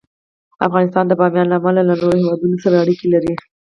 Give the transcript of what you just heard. افغانستان د بامیان له امله له نورو هېوادونو سره اړیکې لري.